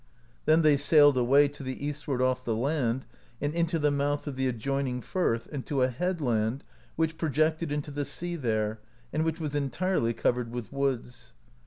Then they sailed away, to the eastward off the land, and into the mouth of the ad joining firth, and to a headland, which projected into the sea there, and which was entirely covered with woods.